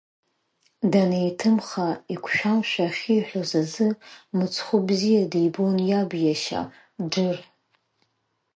Данеиҭымха, игәшәамшәа ахьиҳәоз азы, мыцхәы бзиа дибон иаб иашьа Џыр.